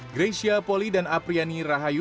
gratia poli dan apriyani rahayu